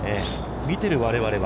見ている我々は。